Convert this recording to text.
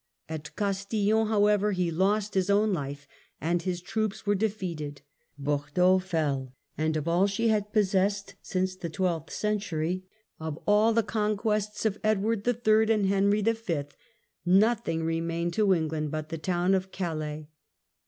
At Castillon, however, he lost his own life and his troops were defeated. Bordeaux fell, and of all she had possessed since the twelfth century, of all the conquests of Edward III. and Battle of Henry V., nothing remained to England but the town and end of of Calais.